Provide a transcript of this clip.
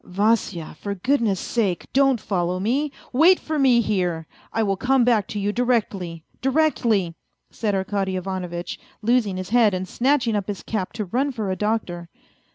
" Vasya, for goodness' sake, don't follow me ! Wait for me here. I will come back to you directly, directly," said Arkady Ivanovitch, losing his head and snatching up his cap to run for a doctor.